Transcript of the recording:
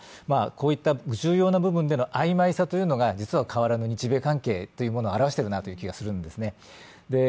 こういった重要な部分での曖昧さというのが実は変わらぬ日米関係を表しているなという気がするんですね。